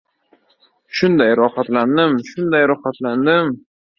Shunday rohat- landim, shunday rohatlandim!